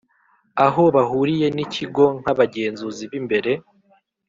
Aho bahuriye n ikigo nk abagenzuzi b imbere